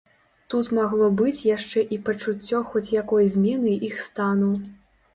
Тут магло быць яшчэ і пачуццё хоць якой змены іх стану.